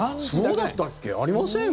そうだったっけ？ありません？